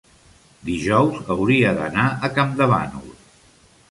dijous hauria d'anar a Campdevànol.